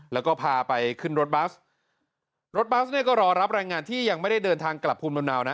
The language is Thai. แล้วก็พาไปขึ้นรถบัสรถบัสเนี่ยก็รอรับแรงงานที่ยังไม่ได้เดินทางกลับภูมิลำเนานะ